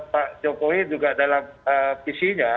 pak jokowi juga dalam visinya